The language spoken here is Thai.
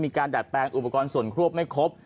มีการดาดแปลงอุปกรณ์ส่วนคร๑๐๘๐ไม่ครบ